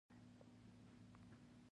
د حاصل خرابېدل د اقتصادي زیان لامل ګرځي.